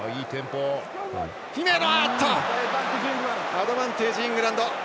アドバンテージ、イングランド。